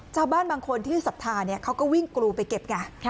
จ้าบ้านบางคนที่สัพทานี่เขาก็วิ่งกรูไปเก็บกัน